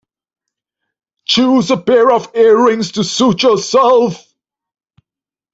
Choose a pair of ear-rings to suit yourself.